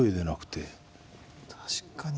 確かに。